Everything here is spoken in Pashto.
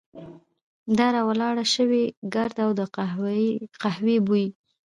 د را ولاړ شوي ګرد او د قهوې بوی.